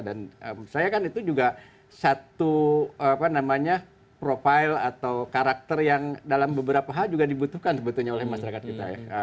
dan saya kan itu juga satu profile atau karakter yang dalam beberapa hal juga dibutuhkan sebetulnya oleh masyarakat kita